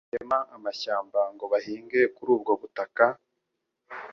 uko abantu batema amashyamba ngo bahinge kuri ubwo butaka,